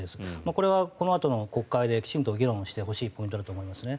これはこのあとの国会できちんと議論してほしいポイントだと思いますね。